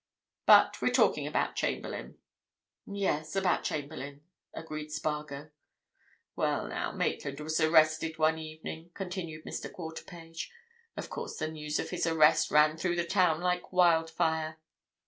But we're talking about Chamberlayne." "Yes, about Chamberlayne," agreed Spargo. "Well, now, Maitland was arrested one evening," continued Mr. Quarterpage. "Of course, the news of his arrest ran through the town like wild fire.